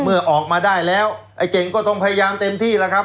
เมื่อออกมาได้แล้วไอ้เก่งก็ต้องพยายามเต็มที่แล้วครับ